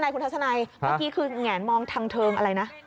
คุณทัศนัยเมื่อกี้คือแงนมองทางเทิงอะไรนะ